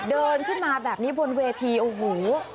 เดินขึ้นมาแบบนี้บนเวทีโอ้โห